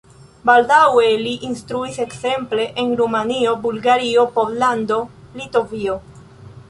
Baldaŭe li instruis ekzemple en Rumanio, Bulgario, Pollando, Litovio.